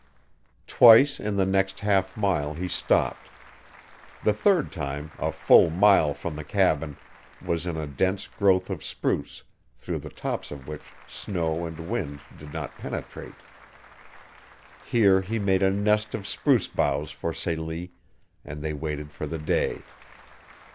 Twice in the nest half mile he stopped. The third time, a full mile from the cabin, was in a dense growth of spruce through the tops of which snow and wind did not penetrate. Here he made a nest of spruce boughs for Celie, and they waited for the day.